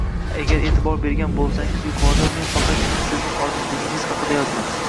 Agar e’tibor bergan bo’lsangiz yuqorida men faqatgina sizning ojizligingiz haqida yozdim